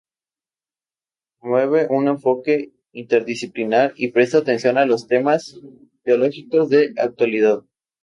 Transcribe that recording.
Promueve un enfoque interdisciplinar y presta atención a los temas teológicos de actualidad.